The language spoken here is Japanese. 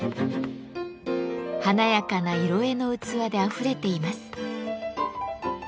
華やかな色絵の器であふれています。